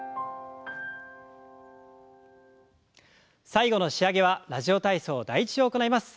最後の仕上げは「ラジオ体操第１」を行います。